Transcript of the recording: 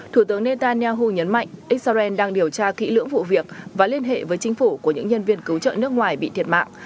thủ tướng netanyahu nhấn mạnh israel đang điều tra kỹ lưỡng vụ việc và liên hệ với chính phủ của những nhân viên cứu trợ nước ngoài bị thiệt mạng